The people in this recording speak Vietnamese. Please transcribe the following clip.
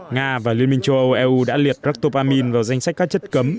nga và liên minh châu âu eu đã liệt ratopamin vào danh sách các chất cấm